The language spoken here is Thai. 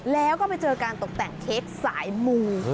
แล้วก็ไปเจอการตกแต่งเค้กสายมู